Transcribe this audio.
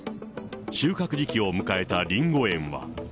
収穫時期を迎えたリンゴ園は。